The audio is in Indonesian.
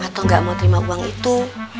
atau nggak mau terima uang itu